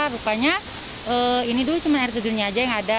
rupanya ini dulu cuma air terjunnya aja yang ada